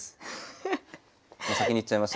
先に言っちゃいましたけど。